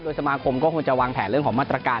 สมาคมก็คงจะวางแผนเรื่องของมาตรการ